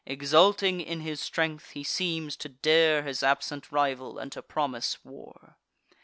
Exulting in his strength, he seems to dare His absent rival, and to promise war.